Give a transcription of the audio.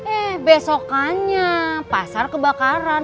eh besokannya pasar kebakaran